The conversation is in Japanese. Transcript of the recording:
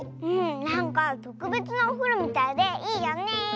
なんかとくべつなおふろみたいでいいよね。